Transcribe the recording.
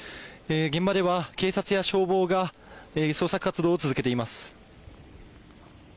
現場では、警察や消防が捜索活動を続けています。